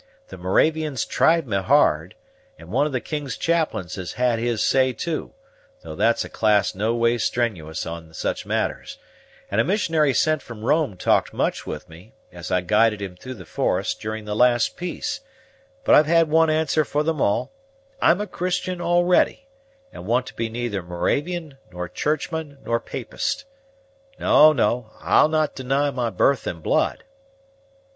The Moravians tried me hard; and one of the King's chaplains has had his say too, though that's a class no ways strenuous on such matters; and a missionary sent from Rome talked much with me, as I guided him through the forest, during the last peace; but I've had one answer for them all I'm a Christian already, and want to be neither Moravian, nor Churchman, nor Papist. No, no, I'll not deny my birth and blood."